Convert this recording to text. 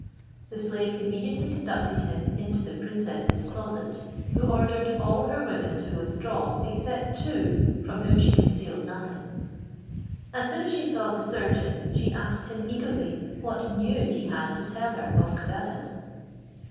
The slave immediately conducted him into the princess's closet, who ordered all her women to withdraw, except two, from whom she concealed nothing. As soon as she saw the surgeon, she asked him eagerly, what news he had to tell her of Codadad?